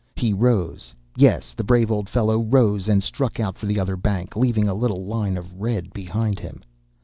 He rose. Yes, the brave old fellow rose and struck out for the other bank, leaving a little line of red behind him.